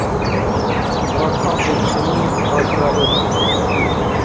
Лаг ахъибсини катӀра ихъу.